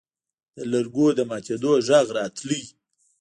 د لرګو د ماتېدو غږ راته.